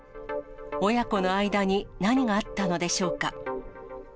親子の間に何があったのでしょうか。